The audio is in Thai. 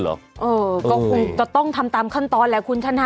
เออก็คงจะต้องทำตามขั้นตอนแหละคุณชนะ